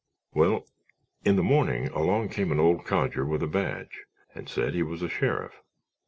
"Well, in the morning along came an old codger with a badge and said he was a sheriff.